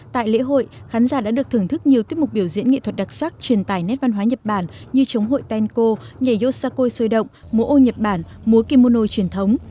tại lễ hội khán giả đã được thưởng thức nhiều tiếp mục biểu diễn nghị thuật đặc sắc truyền tải nét văn hóa nhật bản như chống hội tenko nhảy yosakoi sôi động múa ô nhật bản múa kimono truyền thống